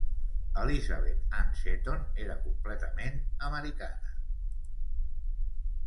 Elizabeth Ann Seton era completament americana!